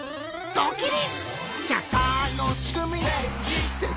ドキリ。